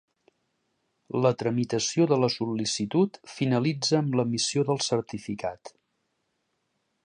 La tramitació de la sol·licitud finalitza amb l'emissió del certificat.